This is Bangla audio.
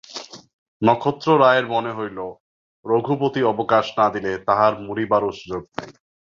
নক্ষত্ররায়ের মনে হইল, রঘুপতি অবকাশ না দিলে তাঁহার মরিবারও সুযোগ নাই।